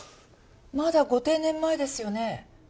まだご定年前ですよね？